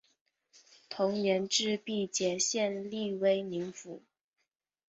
同年置毕节县隶威宁府。